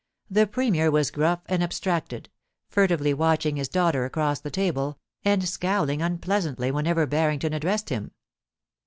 The Premier was gruff and abstracted, furtively watching his daughter across the table, and scowling un pleasantly whenever Barrington addressed him.